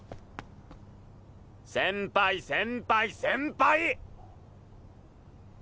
先輩先輩先輩！